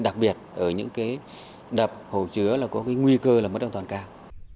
nhật ở những cái đập hồ chứa là có cái nguy cơ là mất an toàn cao